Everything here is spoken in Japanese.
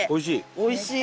おいしい？